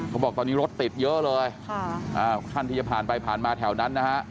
บอกตอนนี้รถติดเยอะเลยท่านที่จะผ่านไปผ่านมาแถวนั้นนะฮะ